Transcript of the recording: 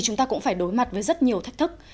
chúng ta cũng phải đối mặt với rất nhiều thách thức